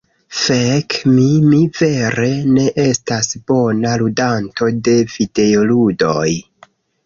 Fek! Mi… Mi vere ne estas bona ludanto de videoludoj.